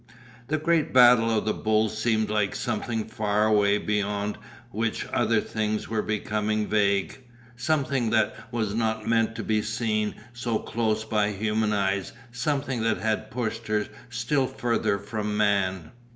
The great battle of the bulls seemed like something far away beyond which other things were becoming vague. Something that was not meant to be seen so close by human eyes, something that had pushed her still further from man.